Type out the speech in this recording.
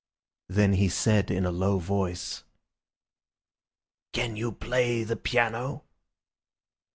Then he said in a low voice— "Can you play the piano?"